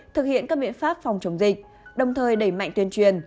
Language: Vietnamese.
thực hiện các biện pháp phòng chống dịch đồng thời đẩy mạnh tuyên truyền